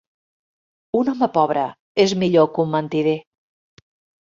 Un home pobre és millor que un mentider.